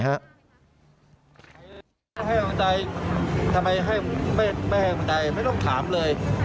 ให้กำลังใจทำไมให้ไม่ให้กำลังใจไม่ต้องถามเลย